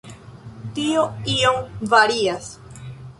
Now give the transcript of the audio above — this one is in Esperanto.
Tio iom varias.